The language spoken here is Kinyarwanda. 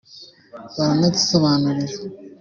baranadusobanurira”